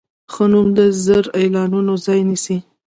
ښه نوم د زر اعلانونو ځای نیسي.